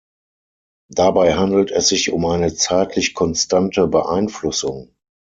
Dabei handelt es sich um eine zeitlich konstante Beeinflussung.